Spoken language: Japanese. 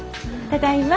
ただいま。